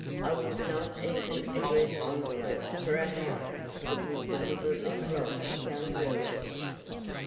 I would not even address envelopes for a house that would deliberately rob young girls."